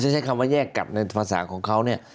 ใช้คำว่าแยกกลับในภาษาของเขาเนี่ย